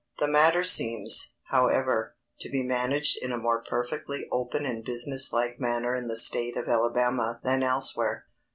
The matter seems, however, to be managed in a more perfectly open and business like manner in the State of Alabama than elsewhere.